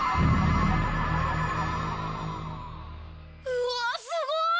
うわっすごい！